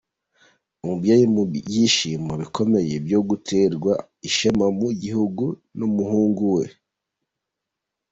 Umubyeyi mu byishimo bikomeye byo guterwa ishema mu gihugu n’umuhungu we.